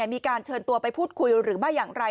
มีการเชิญตัวไปพูดคุยหรือไม่อย่างไร